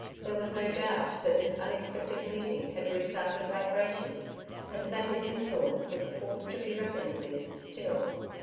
There was no doubt that this unexpected meeting had restarted vibrations, and that his influence was a force to be reckoned with still.